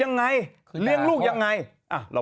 ทางแฟนสาวก็พาคุณแม่ลงจากสอพอ